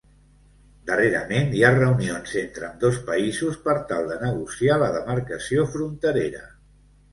Darrerament hi ha reunions entre ambdós països per tal de negociar la demarcació fronterera.